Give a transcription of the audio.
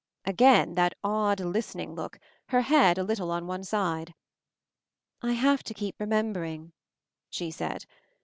Again that odd listening look, her head a little on one side. I have to keep remembering," she said.